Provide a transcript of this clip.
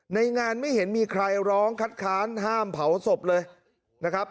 ในงานไม่เห็นมีใครร้องคัดค้านห้ามเผาศพเลยนะครับ